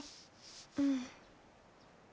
うん。